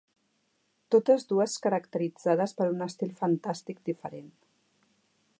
Totes dues caracteritzades per un estil fantàstic diferent.